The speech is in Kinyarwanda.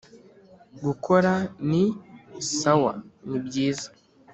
gukora ni… sawa, ni byiza.